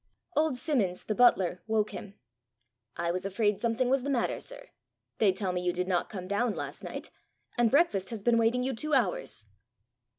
Old Simmons, the butler, woke him. "I was afraid something was the matter, sir. They tell me you did not come down last night; and breakfast has been waiting you two hours."